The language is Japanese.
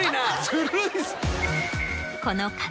ずるいっす。